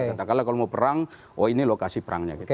katakanlah kalau mau perang oh ini lokasi perangnya gitu